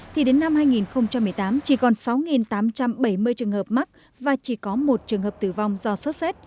thì đến năm hai nghìn một mươi tám chỉ còn sáu tám trăm bảy mươi trường hợp mắc và chỉ có một trường hợp tử vong do sốt xét